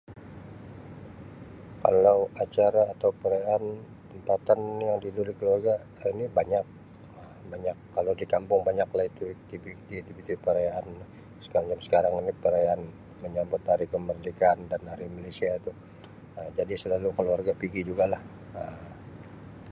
Kalau acara atau perayaan tempatan ini yang dihadiri oleh keluarga ni banyak Um banyak kalau di kampung banyak lah itu aktiviti-aktiviti perayaan ni mcm sekarang banyak perayaan menyambut hari kemerdekaan dan hari Malaysia tu Um jadi selalu keluarga pigi juga lah Um.